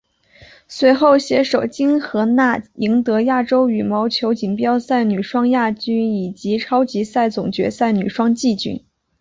随后携手金荷娜赢得亚洲羽毛球锦标赛女双亚军以及超级赛总决赛女双季军。